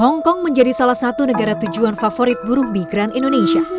hongkong menjadi salah satu negara tujuan favorit buruh migran indonesia